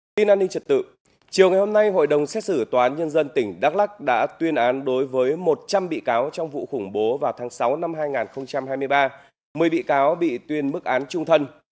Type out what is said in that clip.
tin an ninh trật tự chiều ngày hôm nay hội đồng xét xử tòa án nhân dân tỉnh đắk lắc đã tuyên án đối với một trăm linh bị cáo trong vụ khủng bố vào tháng sáu năm hai nghìn hai mươi ba một mươi bị cáo bị tuyên mức án trung thân